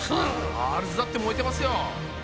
ガールズだって燃えてますよ！